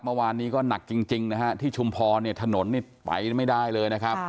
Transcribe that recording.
เมื่อวานนี้ก็หนักจริงที่ชุมพอถนนไปไม่ได้เลยนะครับ